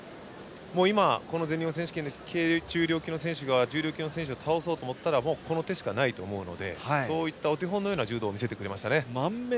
今、この全日本選手権で軽中量級の選手が重量級の選手を倒そうと思ったらこの手しかないと思うのでそういったお手本のような柔道を見せてくれましたね。